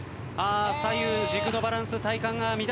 左右軸のバランス体幹が乱れてきた。